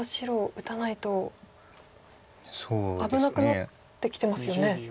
打たないと危なくなってきてますよね。